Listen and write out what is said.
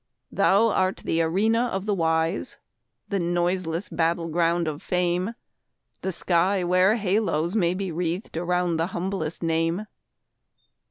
Thou art the arena of the wise, The noiseless battle ground of fame; The sky where halos may be wreathed Around the humblest name.